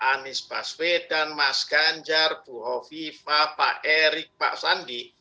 anies baswedan mas ganjar bu hovifa pak erik pak sandi